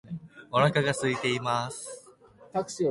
お腹が空いています